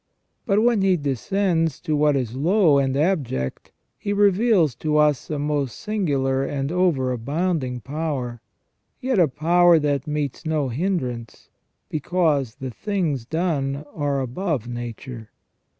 But when He descends to what is low and abject. He reveals to us a most singular and overabounding power, yet a power that meets with no hindrance, because the things done are above nature."